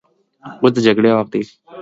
اوس د جګړې په لومړۍ کرښه کې زموږ پر ضد.